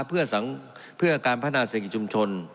เพื่อการพัฒนาเศรษฐกิจชุมชน